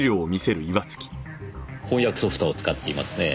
翻訳ソフトを使っていますねぇ。